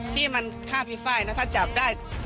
ที่มันฆ่าพี่ไฟล์นะถ้าจับได้